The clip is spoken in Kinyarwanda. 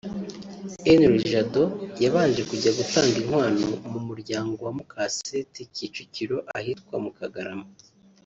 Henri Jado yabanje kujya gutanga inkwano mu muryango wa Mukaseti Kicukiro ahitwa mu Kagarama